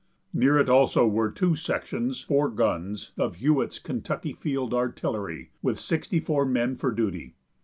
Near it, also, were two sections (four guns) of Hewitt's Kentucky Field Artillery, with sixty four men for duty.